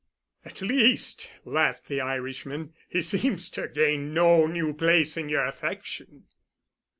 "At least," laughed the Irishman, "he seems to have gained no new place in yer affection."